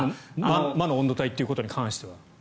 魔の温度帯ということに関しては。